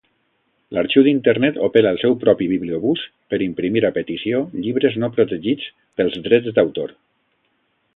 L'Arxiu d'Internet opera el seu propi bibliobús per imprimir a petició llibres no protegits pels drets d'autor.